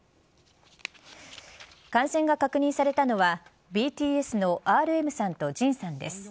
感染が確認されたのはＢＴＳのＲＭさんとＪＩＮさんです。